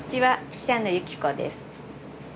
平野由希子です。